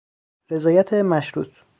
رضایت مشروط